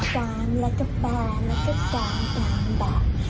การแล้วก็ปลาแล้วก็การตามแบบ